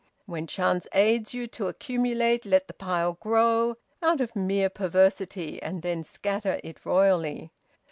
When chance aids you to accumulate, let the pile grow, out of mere perversity, and then scatter it royally!